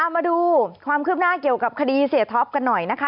มาดูความคืบหน้าเกี่ยวกับคดีเสียท็อปกันหน่อยนะคะ